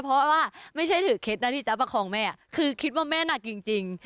เพราะว่าไม่ใช่ถือเคล็ดนะที่จะประคองแม่คือคิดว่าแม่หนักจริง